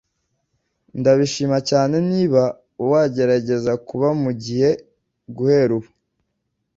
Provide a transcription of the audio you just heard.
Ndabishima cyane niba wagerageza kuba mugihe guhera ubu.